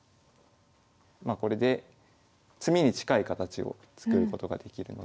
まあこれで詰みに近い形を作ることができるので。